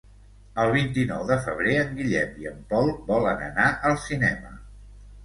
El vint-i-nou de febrer en Guillem i en Pol volen anar al cinema.